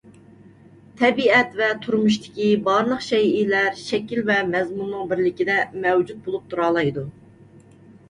تەبىئەت ۋە تۇرمۇشتىكى بارلىق شەيئىلەر شەكىل ۋە مەزمۇننىڭ بىرلىكىدە مەۋجۇت بولۇپ تۇرالايدۇ.